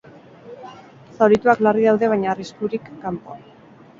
Zaurituak larri daude baina arriskurik kanpo.